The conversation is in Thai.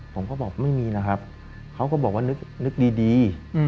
ผมก็บอกไม่มีนะครับเขาก็บอกว่านึกดี